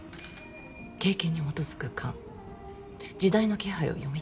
経験に基づく勘時代の気配を読み取る力